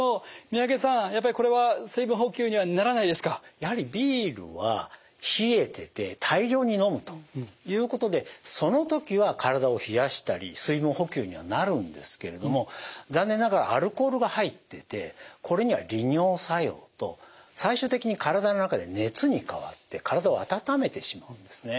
やはりビールは冷えてて大量に飲むということでその時は体を冷やしたり水分補給にはなるんですけれども残念ながらアルコールが入っててこれには利尿作用と最終的に体の中で熱に変わって体を温めてしまうんですね。